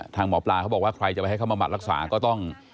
ทางหมอปลาเขาบอกว่าใครจะไปให้เขามาบัดรักษาก็ต้อง